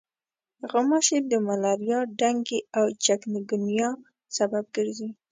غوماشې د ملاریا، ډنګي او چکنګونیا سبب ګرځي.